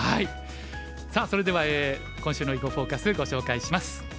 さあそれでは今週の「囲碁フォーカス」ご紹介します。